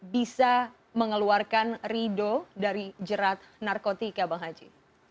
bisa mengeluarkan ridho dari jerat narkotika bang haji